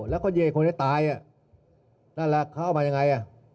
แล้วก็เยคนที่ตายนั่นแหละเขาเอามายังไง